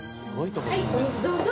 はいお水どうぞ。